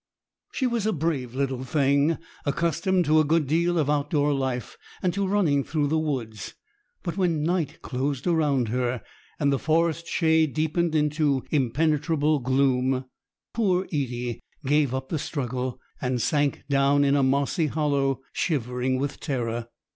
She was a brave little thing, accustomed to a good deal of outdoor life, and to running through the woods; but when night closed around her and the forest shade deepened into impenetrable gloom, poor Edie gave up the struggle, and sank down in a mossy hollow, shivering with terror.